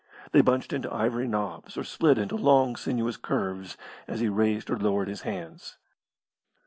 They bunched into ivory knobs, or slid into long, sinuous curves, as he raised or lowered his hands.